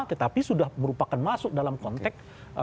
tetapi sudah merupakan masuk dalam konteks